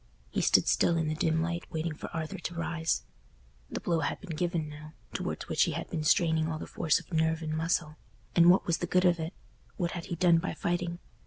He stood still in the dim light waiting for Arthur to rise. The blow had been given now, towards which he had been straining all the force of nerve and muscle—and what was the good of it? What had he done by fighting?